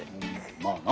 まあな。